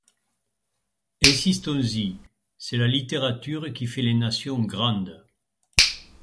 Insistons-y, c'est la littérature qui fait les nations grandes.